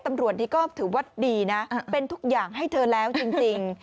ตำรวจนี้ก็ถือว่าดีนะเป็นทุกอย่างให้เธอแล้วจริง